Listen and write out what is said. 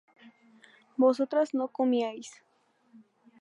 vosotras no comíais